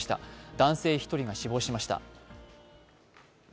男性１人が死亡しました。